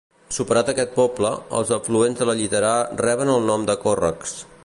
Superat aquest poble, els afluents de la Lliterà reben el nom de còrrecs.